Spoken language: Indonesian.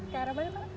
ke arah mana